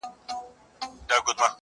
د زلفو څېوري دې پما په سرو غارمو کې وکه